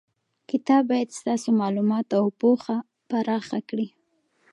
کتاب باید ستاسو معلومات او پوهه پراخه کړي.